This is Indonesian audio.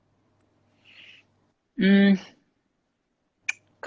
kami kemarin ketika